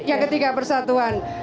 yang ketiga persatuan